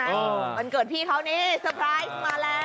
วันเกิดพี่เขานี่เซอร์ไพรส์มาแล้ว